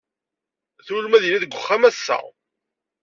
Twulem ad yili deg uxxam assa.